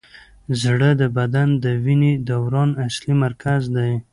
زړه د بدن د وینې دوران اصلي مرکز دی.